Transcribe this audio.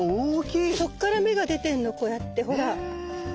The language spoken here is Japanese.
そっから芽が出てんのこうやってほら。